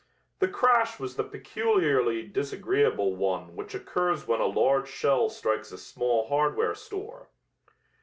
The crash was the peculiarly disagreeable one which occurs when a large shell strikes a small hardware store.